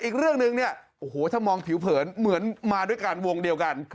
อีกเรื่องหนึ่งเนี่ยโอ้โหถ้ามองผิวเผินเหมือนมาด้วยกันวงเดียวกัน